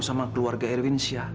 sama keluarga irwin shah